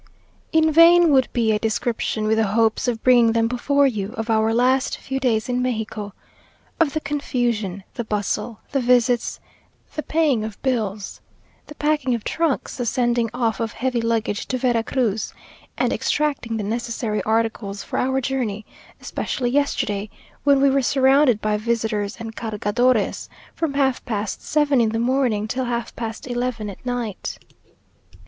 In vain would be a description with the hopes of bringing them before you, of our last few days in Mexico! of the confusion, the bustle, the visits, the paying of bills, the packing of trunks, the sending off of heavy luggage to Vera Cruz, and extracting the necessary articles for our journey; especially yesterday, when we were surrounded by visitors and cargadores, from half past seven in the morning till half past eleven at night.